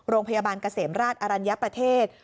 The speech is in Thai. โรงพยาบาลเกษมราชอรัญญประเทศ